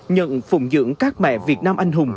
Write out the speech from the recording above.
nhận phụng dưỡng các mẹ việt nam anh hùng